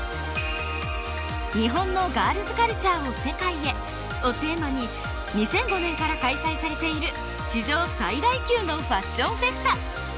「日本のガールズカルチャーを世界へ」をテーマに２００５年から開催されている史上最大級のファッションフェスタ。